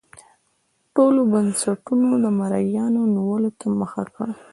ټولو بنسټونو د مریانو نیولو ته مخه کړه.